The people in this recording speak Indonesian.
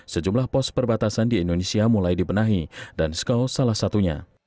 sejumlah pos perbatasan di indonesia mulai dibenahi dan skao salah satunya